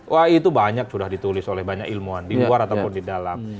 wah itu banyak sudah ditulis oleh banyak ilmuwan di luar ataupun di dalam